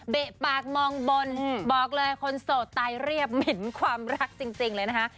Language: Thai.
ปากมองบนบอกเลยคนโสดตายเรียบเหม็นความรักจริงเลยนะคะ